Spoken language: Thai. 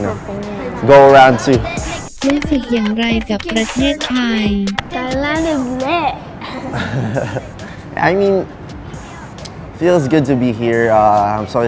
ลองการทุกอย่างเดียว